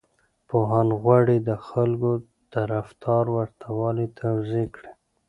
پوهان غواړي د خلکو د رفتار ورته والی توضيح کړي.